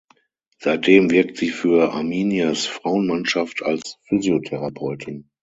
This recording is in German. Seitdem wirkt sie für Arminias Frauenmannschaft als Physiotherapeutin.